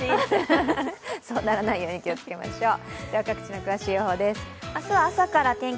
そうならないように気をつけましょう。